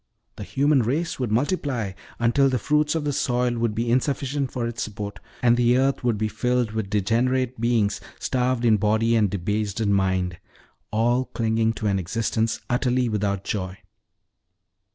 The human race would multiply, until the fruits of the soil would be insufficient for its support; and earth would be filled with degenerate beings, starved in body and debased in mind all clinging to an existence utterly without joy.